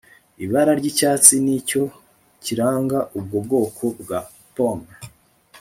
Ibara ryicyatsi nicyo kiranga ubwo bwoko bwa pome